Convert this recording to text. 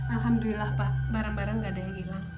alhamdulillah pak barang barang tidak ada yang hilang